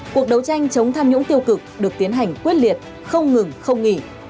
cuộc đấu tranh chống tham nhũng tiêu cực được tiến hành quyết liệt không ngừng không nghỉ